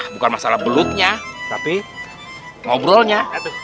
bukan masalah beluknya tapi ngobrolnya